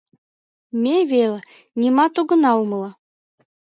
Ме веле нимат огына умыло.